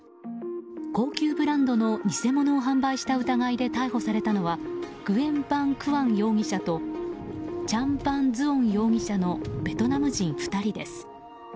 高級ブランドの偽物を販売した疑いで逮捕されたのはグエン・バン・クアン容疑者とチャン・バン・ズオン容疑者のベトナム人２人です。